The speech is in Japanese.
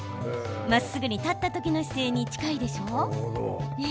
まっすぐに立った時の姿勢に近いでしょ？